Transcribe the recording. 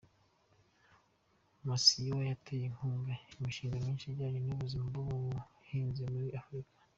Masiyiwa yateye inkunga imishinga myinshi ijyanye n’ubuzima n’ubuhinzi muri Afurika.